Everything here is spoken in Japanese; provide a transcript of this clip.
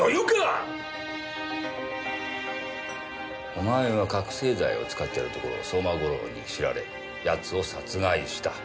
お前は覚せい剤を使ってるところを相馬悟郎に知られ奴を殺害した。